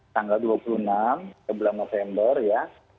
tanggal dua puluh enam bulan november ya